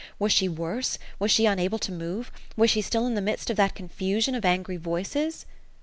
Was she worse? Was she unable to move? Was she still in the midst of that confu.sion of angry voices?